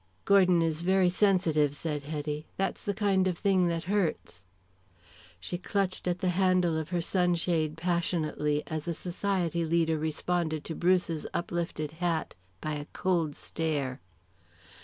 "Gordon is very sensitive," said Hetty. "That's the kind of thing that hurts." She clutched at the handle of her sunshade passionately as a society leader responded to Bruce's uplifted hat by a cold stare.